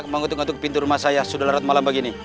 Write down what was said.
kembangunan untuk pintu rumah saya sudah larut malam begini